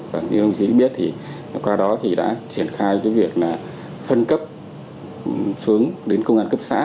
và như ông chí biết thì qua đó thì đã triển khai cái việc là phân cấp xuống đến công an cấp xã